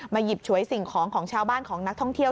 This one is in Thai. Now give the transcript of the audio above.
หยิบฉวยสิ่งของของชาวบ้านของนักท่องเที่ยว